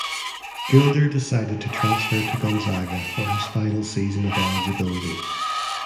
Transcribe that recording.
Gilder decided to transfer to Gonzaga for his final season of eligibility.